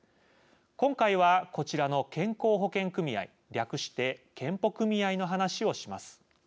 今回は、こちらの健康保険組合略して健保組合の話をします。